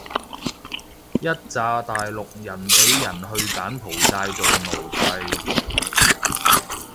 一柞大陸人畀人去柬埔寨做奴隸